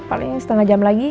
paling setengah jam lagi